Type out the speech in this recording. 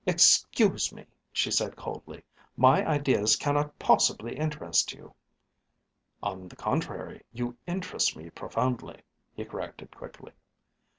"Excuse me," she said coldly, "my ideas cannot possibly interest you." "On the contrary, you interest me profoundly," he corrected quickly.